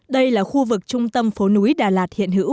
đây là khu vực trung tâm phố núi đà lạt hiện hữu